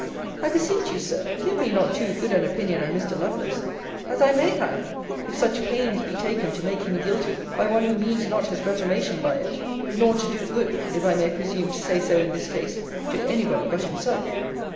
I beseech you, Sir, give me not too good an opinion of Mr. Lovelace; as I may have, if such pains be taken to make him guilty, by one who means not his reformation by it; nor to do good, if I may presume to say so in this case, to any body but himself.